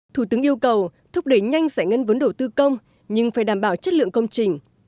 thủ tướng yêu cầu thúc đẩy nhanh giải ngân vốn đầu tư công nhưng phải đảm bảo chất lượng công trình